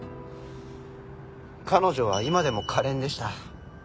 彼女は今でも可憐でした。